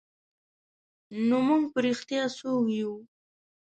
نو موږ په رښتیا څوک یو؟